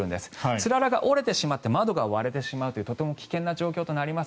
つららが折れてしまって窓が割れてしまうというとても危険な状況になります。